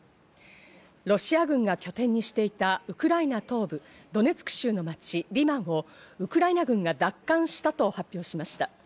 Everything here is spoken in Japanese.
ロシア軍が拠点にしていたウクライナ東部ドネツク州の町・リマンをウクライナ軍が奪還したと発表しました。